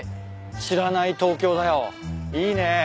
知らない東京だよ。いいね。